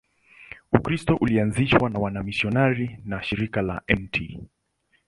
Ukristo ulianzishwa na wamisionari wa Shirika la Mt.